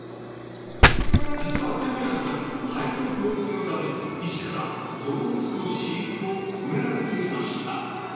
実はデミアンさん、肺の病気のため、医師から、動物の飼育を止められていました。